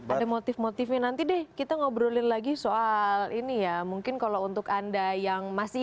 ada motif motifnya nanti deh kita ngobrolin lagi soal ini ya mungkin kalau untuk anda yang masih